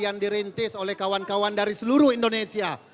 yang dirintis oleh kawan kawan dari seluruh indonesia